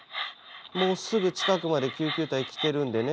もうすぐ近くまで救急隊来てるんでね。